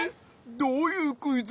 どういうクイズ？